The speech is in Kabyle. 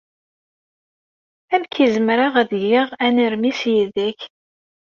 Amek ay zemreɣ ad geɣ anermis yid-k?